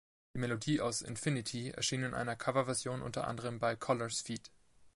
Die Melodie aus "Infinity" erschien in einer Coverversion unter anderem bei Colours feat.